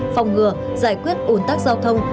phòng ngừa giải quyết ồn tắc giao thông